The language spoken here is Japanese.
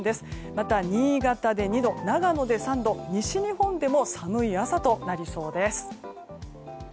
また、新潟で２度長野で３度、西日本でも寒い朝となりそうです。